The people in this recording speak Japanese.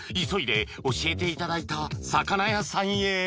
［急いで教えていただいた魚屋さんへ］